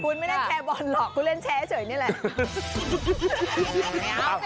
คุณไม่ได้แชร์บอลหรอกคุณเล่นแชร์เฉยนี่แหละ